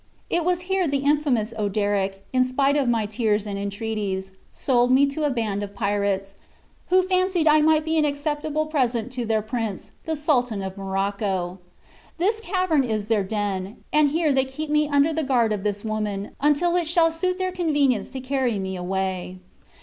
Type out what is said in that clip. It was here the infamous Oderic, in spite of my tears and entreaties, sold me to a band of pirates, who fancied I might be an acceptable present to their prince, the Sultan of Morocco. This cavern is their den, and here they keep me under the guard of this woman, until it shall suit their convenience to carry me away."